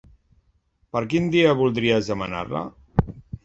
Per quin dia voldries demanar-la?